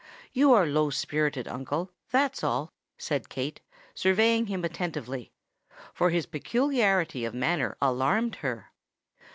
"You are low spirited, uncle—that's all," said Kate, surveying him attentively—for his peculiarity of manner alarmed her.